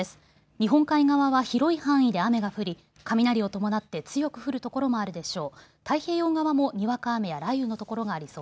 日本海側は広い範囲で雨が降り雷を伴って強く降る所もあるでしょう。